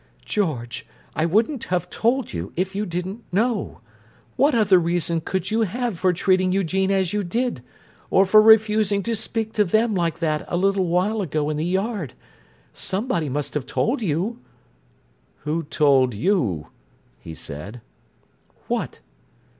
"George, I wouldn't have told you, if you didn't know. What other reason could you have for treating Eugene as you did, or for refusing to speak to them like that a while ago in the yard? Somebody must have told you?" "Who told you?" he said. "What?"